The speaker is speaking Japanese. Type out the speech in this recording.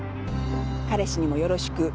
彼氏にもよろしく。